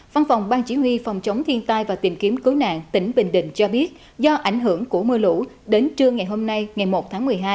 văn phòng ban chỉ huy phòng chống thiên tai và tìm kiếm cứu nạn tỉnh bình định cho biết do ảnh hưởng của mưa lũ đến trưa ngày hôm nay ngày một tháng một mươi hai